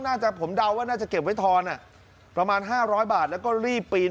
น่าจะผมเดาว่าน่าจะเก็บไว้ทอนอ่ะประมาณ๕๐๐บาทแล้วก็รีบปีน